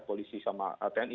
polisi sama tni